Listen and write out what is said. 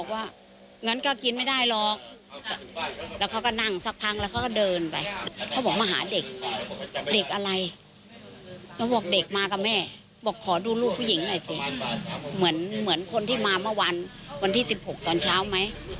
วันที่๑๖ตอนเช้าไหม